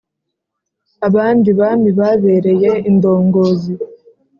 Abandi bami ababereye indongozi”.